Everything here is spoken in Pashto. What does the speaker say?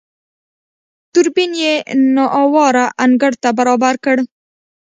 دوربين يې نااواره انګړ ته برابر کړ.